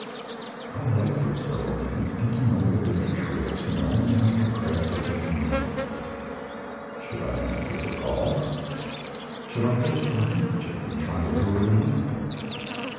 I lay for several minutes, thinking over the different tricks known in hunter craft for taking the antelope. Should I imitate their call? Should I hoist my handkerchief, and try to lure them up?